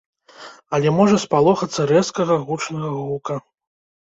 Але можа спалохацца рэзкага гучнага гука.